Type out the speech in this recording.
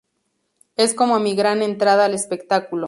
Es como mi gran entrada al espectáculo.